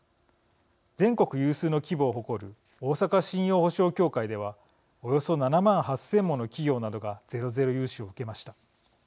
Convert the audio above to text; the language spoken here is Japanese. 全国有数の規模を誇る大阪信用保証協会ではおよそ７万８０００もの企業などがゼロゼロ融資を受けました。